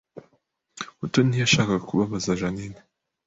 Mutoni ntiyashakaga kubabaza Jeaninne